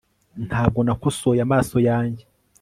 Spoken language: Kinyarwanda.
Ntabwo nakosoye amaso yanjye